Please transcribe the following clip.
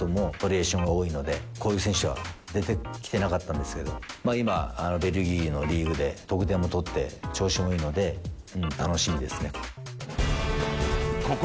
足元のシュートもバリエーションが多いのでなかなかこういう選手出てきてなかったんですけどベルギーのリーグで得点も取って調子がいいので楽しみですね。